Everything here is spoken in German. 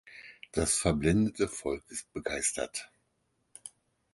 Das verblendete Volk ist begeistert.